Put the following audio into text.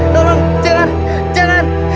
tolong jangan jangan